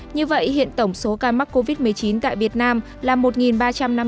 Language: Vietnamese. như vậy hiện tổng số ca mắc covid một mươi chín tại việt nam là một ba trăm năm mươi ca